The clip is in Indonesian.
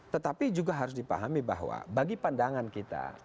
tetapi juga harus dipahami bahwa bagi pandangan kita